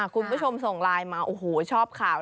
คุณผู้ชมส่งไลน์มาโอ้โหชอบข่าว